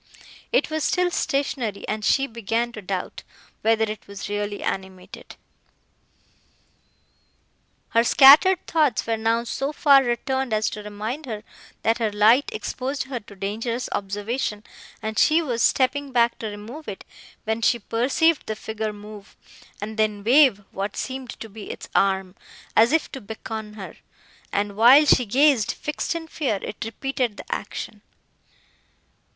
It was still stationary, and she began to doubt, whether it was really animated. Her scattered thoughts were now so far returned as to remind her, that her light exposed her to dangerous observation, and she was stepping back to remove it, when she perceived the figure move, and then wave what seemed to be its arm, as if to beckon her; and, while she gazed, fixed in fear, it repeated the action.